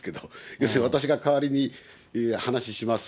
要するに私が代わりに話します。